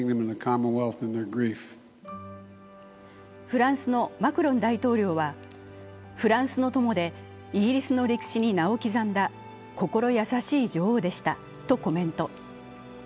フランスのマクロン大統領は、フランスの友でイギリスの歴史に名を刻んだ、心優しい女王でしたとコメント。